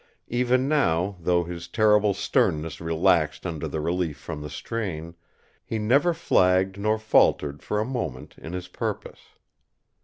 Even now, though his terrible sternness relaxed under the relief from the strain, he never flagged nor faltered for a moment in his purpose.